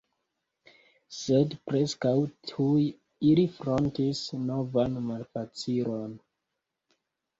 Sed preskaŭ tuj ili frontis novan malfacilon.